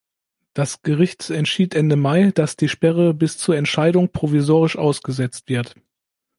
Das Gericht entschied Ende Mai, dass die Sperre bis zur Entscheidung provisorisch ausgesetzt wird.